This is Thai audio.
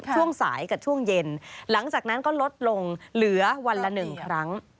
ช่วงสายกับช่วงเย็นหลังจากนั้นก็ลดลงเหลือวันละ๑ครั้ง